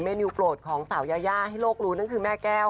แจ๊กก็สวยในของแจ๊กเลย